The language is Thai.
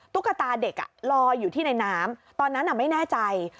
ตุ๊กตาเด็กลอยอยู่ที่ในน้ำตอนนั้นไม่แน่ใจ